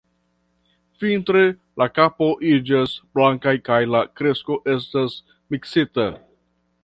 Vintre, la kapo iĝas blankaj kaj la kresto estas miksita.